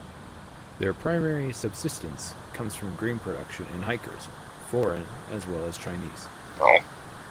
Their primary subsistence comes from grain production and hikers, foreign as well as Chinese.